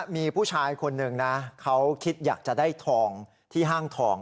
มีผู้ชายคนหนึ่งนะเขาคิดอยากจะได้ทองที่ห้างทอง